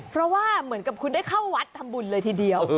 เพราะว่าเหมือนกับคุณได้เข้าวัดทำบุญเลยทีเดียว